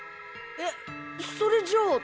えっそれじゃあ。